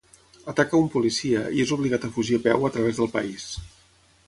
Ataca un policia, i és obligat a fugir a peu a través del país.